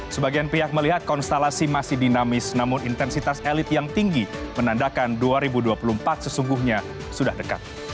sebagian pihak melihat konstelasi masih dinamis namun intensitas elit yang tinggi menandakan dua ribu dua puluh empat sesungguhnya sudah dekat